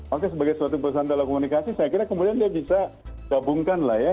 oke sebagai suatu perusahaan telekomunikasi saya kira kemudian dia bisa gabungkan lah ya